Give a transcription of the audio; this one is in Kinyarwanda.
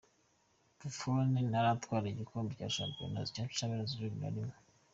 Buffon ntaratwara igikombe cya Champions League na rimwe.